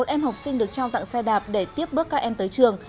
một mươi em học sinh được trao tặng xe đạp để tiếp bước các em tới trường